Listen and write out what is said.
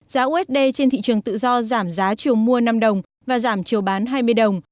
giá usd trên thị trường tự do giảm giá chiều mua năm đồng và giảm chiều bán hai mươi đồng